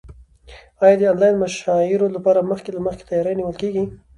ایا د انلاین مشاعرو لپاره مخکې له مخکې تیاری نیول کیږي؟